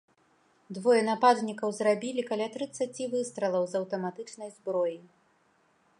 Двое нападнікаў зрабілі каля трыццаці выстралаў з аўтаматычнай зброі.